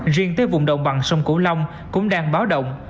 riêng tới vùng đồng bằng sông cửu long cũng đang báo động